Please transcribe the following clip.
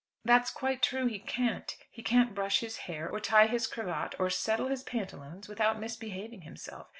"That's quite true; he can't. He can't brush his hair, or tie his cravat, or settle his pantaloons, without misbehaving himself.